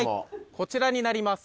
こちらになります。